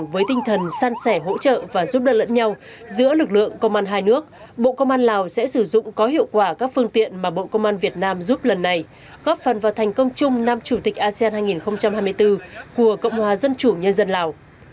bộ công an lào sẽ sử dụng có hiệu quả các phương tiện mà bộ công an việt nam giúp lần này góp phần vào thành công chung nam chủ tịch asean hai nghìn hai mươi bốn của cộng hòa dân chủ nhân dân lào